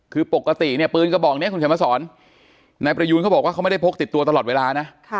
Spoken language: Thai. คือปกติเนี่ยปืนกระบอกนี้คุณเขียนมาสอนนายประยูนเขาบอกว่าเขาไม่ได้พกติดตัวตลอดเวลานะ